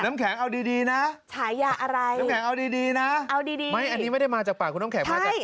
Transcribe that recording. น้ำแข็งเอาดีนะนะมายอันนี้ไม่ได้มาจากปากคุณน้ำแข็งใช่